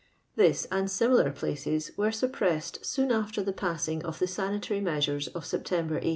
This and similar places were suppressed soon after the passing of the sanitary mea sures of September, 1848.